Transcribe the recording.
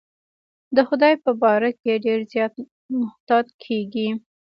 د خدای په باره کې ډېر زیات محتاط کېږي.